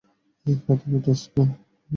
প্রথমে, টোস্ট নাও।